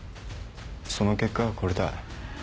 その結果がこれだ。